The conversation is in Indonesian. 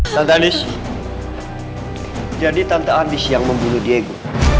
tante anies jadi tante anies yang membunuh diego